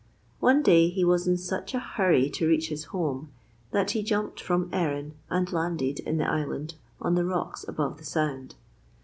One day he was in such a hurry to reach his home that he jumped from Erinn and landed in the island on the rocks above the Sound.